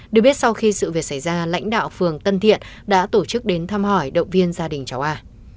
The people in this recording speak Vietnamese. được biết sau khi sự việc xảy ra lãnh đạo phường tân thiện đã tổ chức đến thăm hỏi động viên gia đình cháu a